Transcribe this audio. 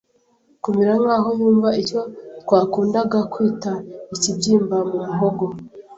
kumira nkaho yumva icyo twakundaga kwita ikibyimba mu muhogo.